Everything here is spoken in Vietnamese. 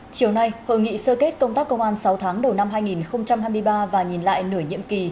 chiều nay hội nghị sơ kết công tác công an sáu tháng đầu năm hai nghìn hai mươi ba và nhìn lại nửa nhiệm kỳ